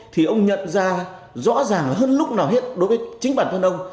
thì ông nhận ra rõ ràng hơn lúc nào hết đối với chính bản thân ông